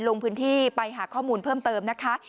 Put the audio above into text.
ลงพื้นที่ไปหาข้อมูลเพิ่มเติมนะคะ